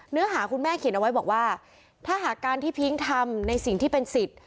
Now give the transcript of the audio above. เนื้อหาคุณแม่เขียนเอาไว้บอกว่าถ้าหากการที่พิ้งทำในสิ่งที่เป็นสิทธิ์